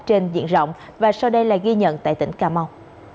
trên diện rộng và sau đây là ghi nhận tại tỉnh cà mau